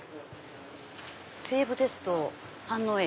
西武鉄道飯能駅。